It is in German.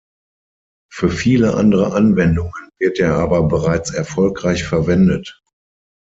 Für viele andere Anwendungen wird er aber bereits erfolgreich verwendet.